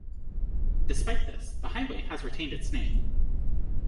Despite this, the highway has retained its name.